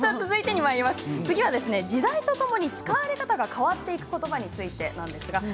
続いては時代とともに使われ方が違っていくことばです。